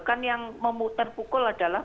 kan yang memutar pukul adalah